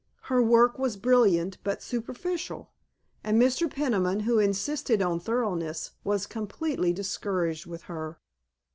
Her work was brilliant but superficial, and Mr. Peniman, who insisted on thoroughness, was completely discouraged with her.